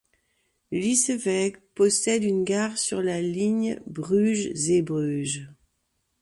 Lissewege possède une gare sur la ligne Bruges-Zeebruges.